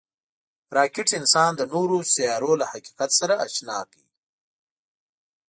راکټ انسان د نورو سیارو له حقیقت سره اشنا کړ